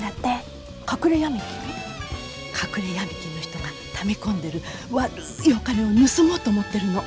隠れヤミ金の人がため込んでる悪いお金を盗もうと思ってるの。